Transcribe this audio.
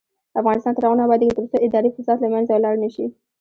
افغانستان تر هغو نه ابادیږي، ترڅو اداري فساد له منځه لاړ نشي.